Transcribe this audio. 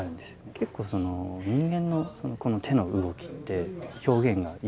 結構その人間の手の動きって表現が豊かじゃないですか。